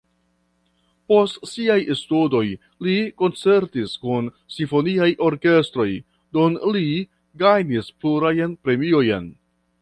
Post siaj studoj li koncertis kun simfoniaj orkestroj, dum li gajnis plurajn premiojn.